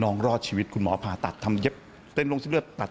รอดชีวิตคุณหมอผ่าตัดทำเย็บเต้นลงเส้นเลือดตัด